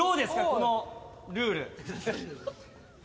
このルール。